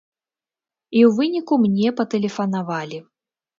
І ў выніку мне патэлефанавалі.